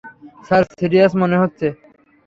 Sir, serious মনে হচ্ছে।